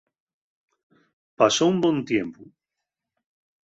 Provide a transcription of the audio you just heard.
Pasó un bon tiempu.